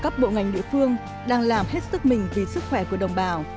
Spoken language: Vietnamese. các bộ ngành địa phương đang làm hết sức mình vì sức khỏe của đồng bào